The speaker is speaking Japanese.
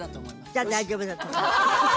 じゃあ大丈夫だと思う。